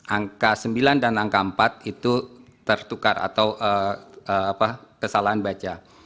angka sembilan dan angka empat itu tertukar atau kesalahan baca